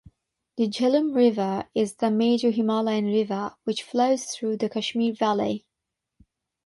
The Jhelum River is the major Himalayan river which flows through the Kashmir valley.